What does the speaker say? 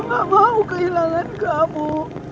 mama gak mau kehilangan kamu